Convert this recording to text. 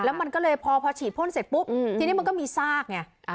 มันก็เลยพอฉีดพ่นเสร็จปุ๊บทีนี้มันก็มีซากไง